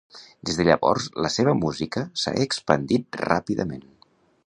Des de llavors la seva música s'ha expandit ràpidament.